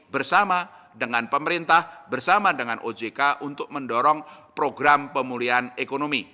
bersama dengan pemerintah bersama dengan ojk untuk mendorong program pemulihan ekonomi